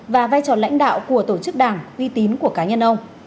và vai trò lãnh đạo của tổ chức đảng uy tín của cá nhân ông